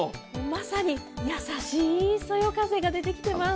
まさに優しいそよ風が出てきてます。